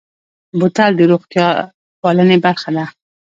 بوتل د روغتیا پالنې برخه ده.